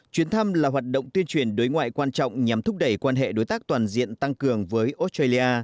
chuyến thăm là hoạt động tuyên truyền đối ngoại quan trọng nhằm thúc đẩy quan hệ đối tác toàn diện tăng cường với australia